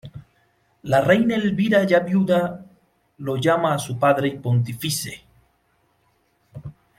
La reina Elvira, ya viuda, lo llama su "padre y pontífice".